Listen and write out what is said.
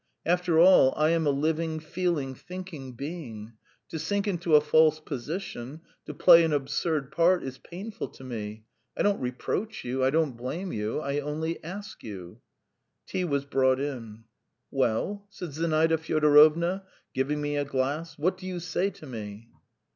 After all, I am a living, feeling, thinking being. To sink into a false position ... to play an absurd part ... is painful to me. I don't reproach you, I don't blame you; I only ask you." Tea was brought in. "Well?" said Zinaida Fyodorovna, giving me a glass. "What do you say to me?"